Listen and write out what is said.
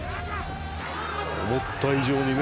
「思った以上にね